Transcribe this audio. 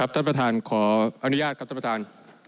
ท่านประธานขออนุญาตครับท่านประธาน